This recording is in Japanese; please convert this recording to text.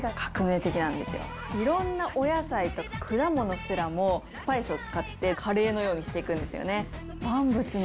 いろんなお野菜とか果物すらもスパイスを使ってカレーのようにして行くんです。